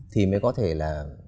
thì mới có thể là